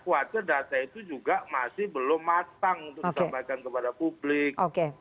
khawatir data itu juga masih belum matang untuk disampaikan kepada publik